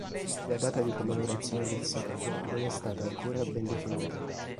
La data di commemorazione del santo non è stata ancora ben definita.